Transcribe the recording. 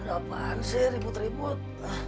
kenapaan sih ribut ribut